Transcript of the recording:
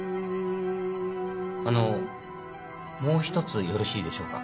あのもう一つよろしいでしょうか。